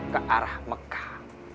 ke arah mekah